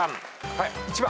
はい１番。